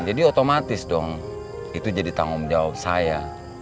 jadi otomatis dong itu jadi tanggung jawab saya